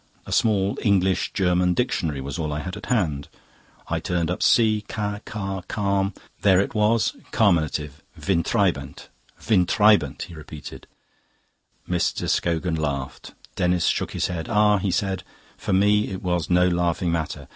A small English German dictionary was all I had at hand. I turned up C, ca, car, carm. There it was: 'Carminative: windtreibend.' Windtreibend!" he repeated. Mr. Scogan laughed. Denis shook his head. "Ah," he said, "for me it was no laughing matter.